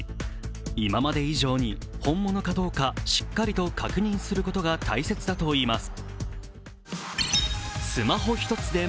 今まで以上に本物かどうかしっかりと確認することが大切だといいます。